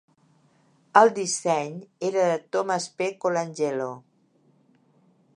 El disseny era de Thomas P. Colangelo.